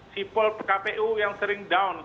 sipol pkpu yang sering down